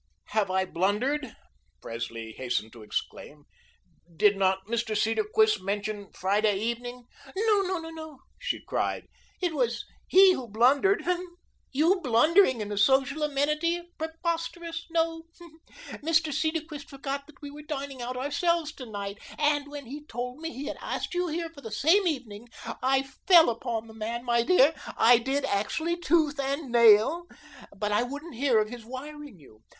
"Have I blundered?" Presley hastened to exclaim. "Did not Mr. Cedarquist mention Friday evening?" "No, no, no," she cried; "it was he who blundered. YOU blundering in a social amenity! Preposterous! No; Mr. Cedarquist forgot that we were dining out ourselves to night, and when he told me he had asked you here for the same evening, I fell upon the man, my dear, I did actually, tooth and nail. But I wouldn't hear of his wiring you.